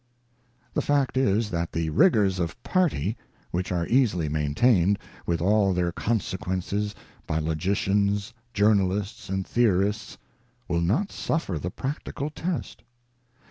The fact is that the rigours of Party, which are easily maintained, with all their consequences, by logicians, journalists, and theorists, will not suffer the practical test.